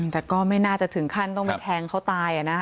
แต่ก็ไม่น่าจะถึงขั้นต้องไปแทงเขาตาย